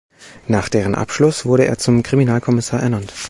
Nach deren Abschluss wurde er zum Kriminalkommissar ernannt.